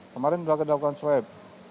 kemarin sudah kita lakukan swab